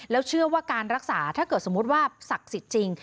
แล้วเชื่อว่าการรักษาถ้าเกิดสมมุติว่าศักดิ์สิทธิ์จริง